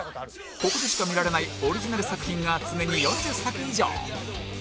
ここでしか見られないオリジナル作品が常に４０作以上！